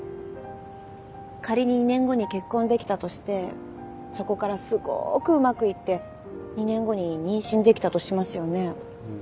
仮に２年後に結婚できたとしてそこからすごくうまくいって２年後に妊娠できたとしますよね？